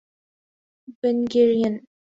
Hungarian